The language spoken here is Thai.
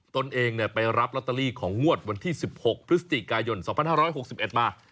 ตนเองไปรับลอตเตอรี่ของงวดวันที่๑๖พฤศจิกายน๒๕๖๑มา